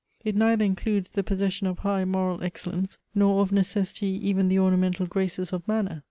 It neither includes the possession of high moral excellence, nor of necessity even the ornamental graces of manner.